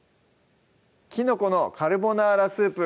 「きのこのカルボナーラスープ」